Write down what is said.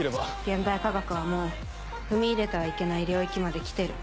現代科学はもう踏み入れてはいけない領域まで来てる。